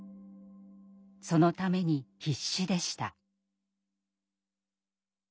そのために必死でした。